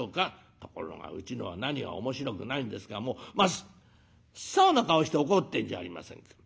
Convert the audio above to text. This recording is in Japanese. ところがうちのは何が面白くないんですかもう真っ青な顔して怒ってんじゃありませんか。